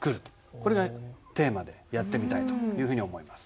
これがテーマでやってみたいと思います。